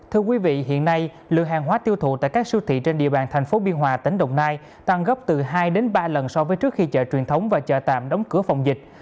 thưa quý vị hiện nay lượng hàng hóa tiêu thụ tại các siêu thị trên địa bàn thành phố biên hòa tỉnh đồng nai tăng gấp từ hai đến ba lần so với trước khi chợ truyền thống và chợ tạm đóng cửa phòng dịch